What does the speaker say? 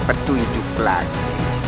petu hidup lagi